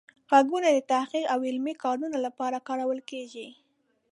غږونه د تحقیق او علمي کارونو لپاره کارول کیږي.